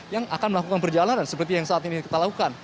yang akan melakukan perjalanan seperti yang saat ini kita lakukan